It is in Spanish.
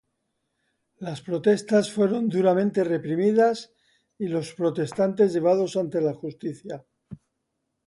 Las protestas fueron duramente reprimidas y los protestantes llevados ante la justicia.